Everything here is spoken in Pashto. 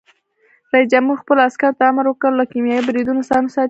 رئیس جمهور خپلو عسکرو ته امر وکړ؛ له کیمیاوي بریدونو ځان وساتئ!